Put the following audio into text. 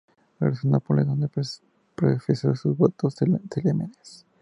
Regresó a Nápoles, donde profesó sus votos solemnes.